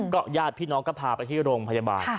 ญาติพี่น้องก็พาไปที่โรงพยาบาล